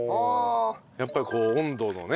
やっぱりこう温度のね。